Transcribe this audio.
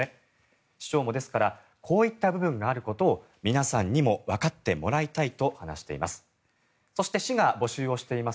市長もですからこういった部分があることを皆さんにもわかってもらいたいと話しています。